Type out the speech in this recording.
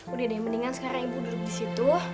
udah deh mendingan sekarang ibu duduk disitu